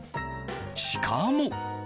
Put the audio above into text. しかも。